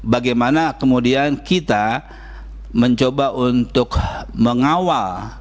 bagaimana kemudian kita mencoba untuk mengawal